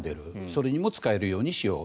それにも使えるようにしよう。